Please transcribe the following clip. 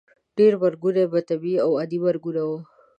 ډیری مرګونه به طبیعي او عادي مرګونه وو.